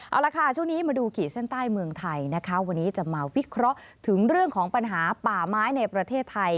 เอาละค่ะช่วงนี้มาดูขีดเส้นใต้เมืองไทยนะคะวันนี้จะมาวิเคราะห์ถึงเรื่องของปัญหาป่าไม้ในประเทศไทย